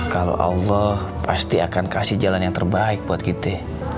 kalau allah pasti akan kasih jalan yang terbaik buat kita